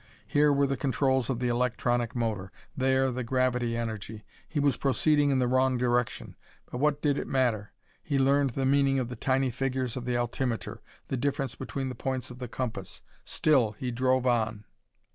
Here were the controls of the electronic motor; there the gravity energy. He was proceeding in the wrong direction. But what did it matter? He learned the meaning of the tiny figures of the altimeter; the difference between the points of the compass. Still he drove on.